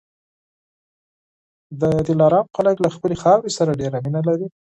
د دلارام خلک له خپلي خاورې سره ډېره مینه لري